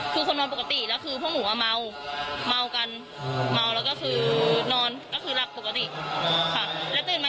คือต้องจำเป็นค่ะพี่ก็คือไปหาเหมือนไปหาคล้ายไปหาเงินค่ะ